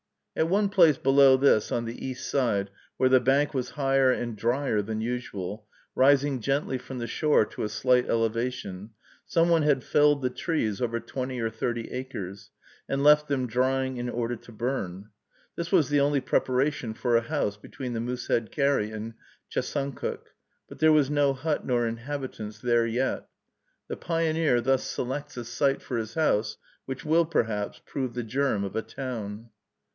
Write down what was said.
At one place below this, on the east side, where the bank was higher and drier than usual, rising gently from the shore to a slight elevation, some one had felled the trees over twenty or thirty acres, and left them drying in order to burn. This was the only preparation for a house between the Moosehead Carry and Chesuncook, but there was no hut nor inhabitants there yet. The pioneer thus selects a site for his house, which will, perhaps, prove the germ of a town.